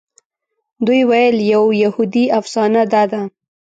دوی ویل یوه یهودي افسانه داده.